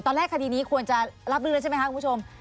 ตอนแรกคณีนี้ควรจะลับด้วยเลยใช่ไหมครับคุณผู้ชม